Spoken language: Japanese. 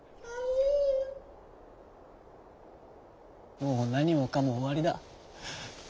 「もうなにもかもおわりだ」。